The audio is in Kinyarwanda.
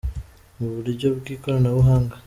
mu buryo bw’ikoranabuhanga.”